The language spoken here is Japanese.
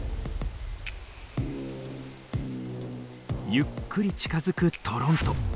ゆっくり近づくトロント。